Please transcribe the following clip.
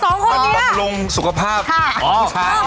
ช่วงนี้เนี่ยเขาบอกว่ามันบำรุงสุขภาพผู้ใช้